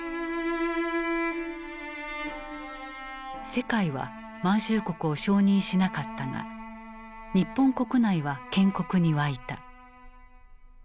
世界は満州国を承認しなかったが日本国内は建国に沸いた。